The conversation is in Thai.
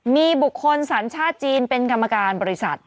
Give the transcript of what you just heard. มีบุคคลสัญชาติจีนเป็นกรรมการบริษัท